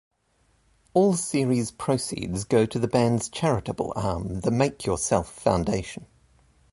All series proceeds go to the band's charitable arm, the Make Yourself Foundation.